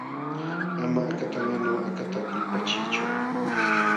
Ama akatanqanu akata kulpachiychu.